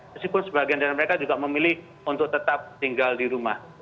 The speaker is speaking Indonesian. meskipun sebagian dari mereka juga memilih untuk tetap tinggal di rumah